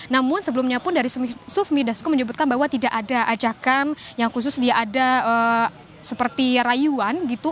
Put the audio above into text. namun sebelumnya pun dari sufmi dasko menyebutkan bahwa tidak ada ajakan yang khusus dia ada seperti rayuan gitu